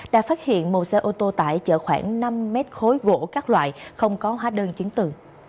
đã phát hiện một xe ô tô tại chở khoảng năm m khối gỗ các loại không có hóa đơn chiến tử